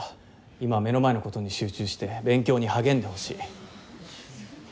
今は目の前のことに集中して勉強に励んでほしい。